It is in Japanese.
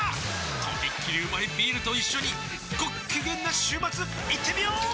とびっきりうまいビールと一緒にごっきげんな週末いってみよー！